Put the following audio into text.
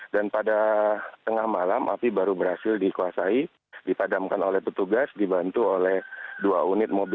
dan pada tengah malam api baru berhasil dikuasai dipadamkan oleh petugas dibantu oleh dua unit mobil